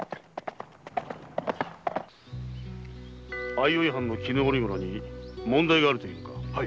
相生藩の絹織物に問題があると言うのか？